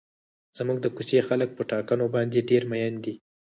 زموږ د کوڅې خلک په ټاکنو باندې ډېر مین دي.